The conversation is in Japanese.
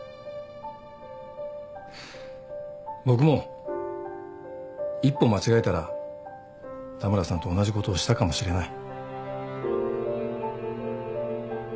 僕も一歩間違えたら田村さんと同じことをしたかもしれない。